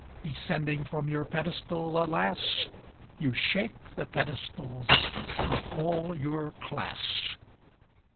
Descending from your pedestal, alas! You shake the pedestals of all your class.